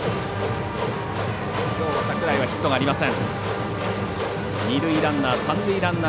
きょうは櫻井はヒットがありません。